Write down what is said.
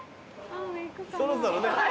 そろそろね早い。